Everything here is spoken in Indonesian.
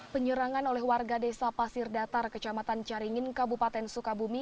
penyerangan oleh warga desa pasir datar kecamatan caringin kabupaten sukabumi